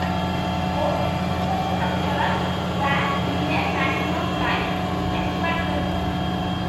Both superstructures were near maximum life expectancy.